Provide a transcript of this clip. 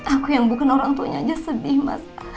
aku yang bukan orangtuanya aja sedih mas